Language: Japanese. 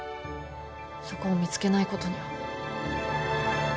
そこを見つけないことには。